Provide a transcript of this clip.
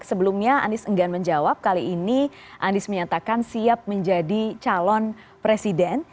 sebelumnya anies enggan menjawab kali ini anies menyatakan siap menjadi calon presiden